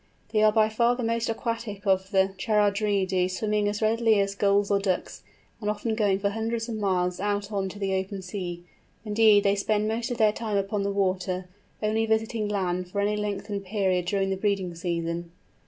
They are by far the most aquatic of the Charadriidæ, swimming as readily as Gulls or Ducks, and often going for hundreds of miles out on to the open sea; indeed they spend most of their time upon the water, only visiting land for any lengthened period during the breeding season.